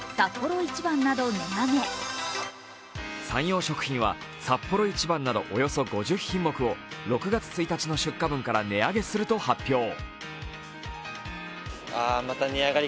サンヨー食品はサッポロ一番などおよそ５０品目を６月１日の出荷分から値上げすると発表。